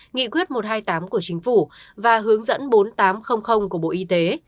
nghị quyết một trăm hai mươi tám của chính phủ và hướng dẫn bốn nghìn tám trăm linh của bộ y tế